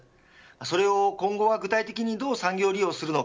それを今後は具体的にどう産業利用するのか。